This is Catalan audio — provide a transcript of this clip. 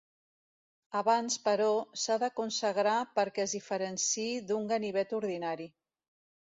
Abans, però, s'ha de consagrar perquè es diferenciï d'un ganivet ordinari.